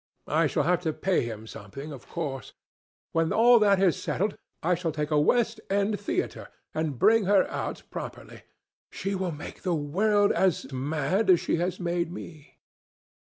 I shall have to pay him something, of course. When all that is settled, I shall take a West End theatre and bring her out properly. She will make the world as mad as she has made me."